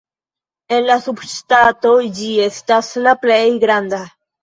En la subŝtato ĝi estas la plej granda.